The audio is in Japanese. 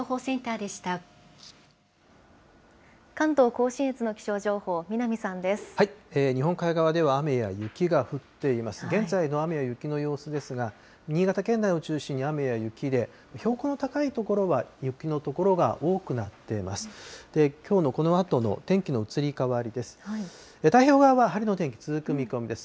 現在の雨や雪の様子ですが、新潟県内を中心に雨や雪で、標高の高い所は、雪の所が多くなっています。